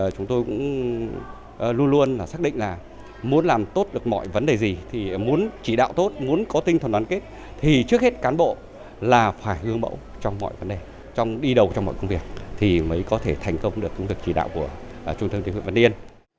chúng tôi cũng luôn luôn xác định là muốn làm tốt được mọi vấn đề gì muốn chỉ đạo tốt muốn có tinh thần đoàn kết thì trước hết cán bộ là phải gương mẫu trong mọi vấn đề đi đầu trong mọi công việc thì mới có thể thành công được cũng được chỉ đạo của trung tâm chỉ huyện văn điên